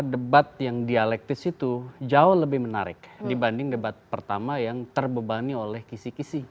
debat yang dialektis itu jauh lebih menarik dibanding debat pertama yang terbebani oleh kisi kisi